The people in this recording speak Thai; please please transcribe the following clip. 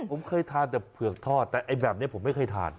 ผมเคยทานแต่เผือกทอดแต่ไอ้แบบนี้ผมไม่เคยทาน